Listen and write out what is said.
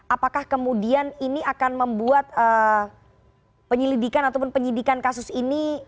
apakah kemudian ini akan membuat penyelidikan ataupun penyidikan kasus ini